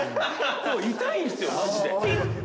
痛いんすよマジで。